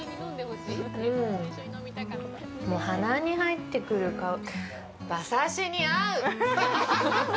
もう、鼻に入ってくる馬刺しに合う！